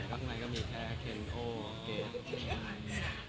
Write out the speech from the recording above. ข้างในก็มีแค่เคนโฮเกษ